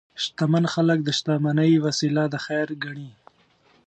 شتمن خلک د شتمنۍ وسیله د خیر ګڼي.